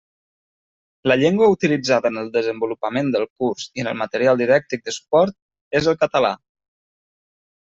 La llengua utilitzada en el desenvolupament del curs i en el material didàctic de suport és el català.